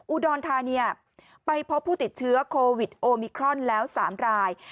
อุดรธานีไปพบผู้ติดเชื้อโควิดโอมิครอนแล้ว๓ราย